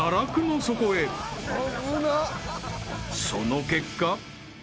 ［その結果］